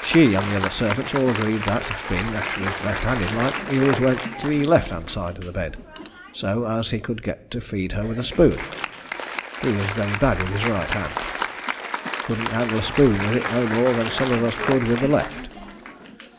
She and the other servants all agreed that, being naturally left handed like, he always went to the left hand side of the bed, so as he could get to feed her with a spoon. He was very bad with his right hand. Couldn't handle a spoon with it no more than some of us could with the left.